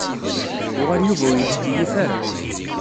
Yuɣal Yuba ur ittkeyyif ara.